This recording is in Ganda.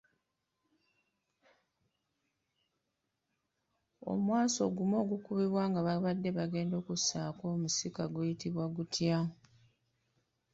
Omwasi ogumu ogukubwa nga babadde bagenda okussaako omusika guyitibwa gutya?